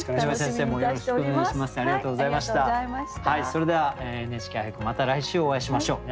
それでは「ＮＨＫ俳句」また来週お会いしましょう。